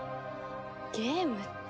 ゲームって。